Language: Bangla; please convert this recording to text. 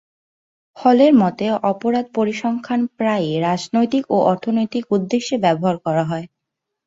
হলের মতে, অপরাধ পরিসংখ্যান প্রায়ই রাজনৈতিক ও অর্থনৈতিক উদ্দেশ্যে ব্যবহার করা হয়।